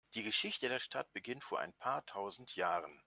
Die Geschichte der Stadt beginnt vor ein paar tausend Jahren.